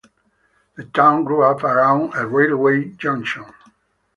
The town grew up around a railway junction.